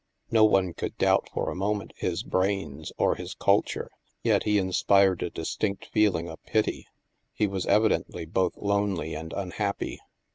No one could doubt for a moment his brains, or his culture. Yet he inspired a distinct feeling of pity; he was evidently both lonely and unhappy.